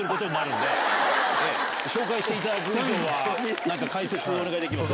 紹介していただく以上は何か解説をお願いできます？